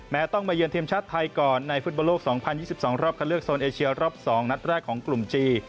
ต้องมาเยือนทีมชาติไทยก่อนในฟุตบอลโลก๒๐๒๒รอบคันเลือกโซนเอเชียรอบ๒นัดแรกของกลุ่มจีน